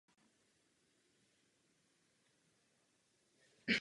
Postupně si nová skupinka získává přízeň několika členů posádky.